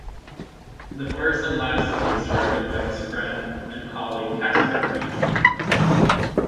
The first and last of these directed by his friend and colleague Casper Wrede.